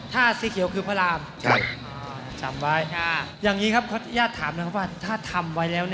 ถ้าสีเขียวคือพระราม